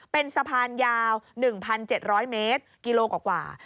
เป็นสะพานยาว๑๗๐๐เมตรกิโลกว่า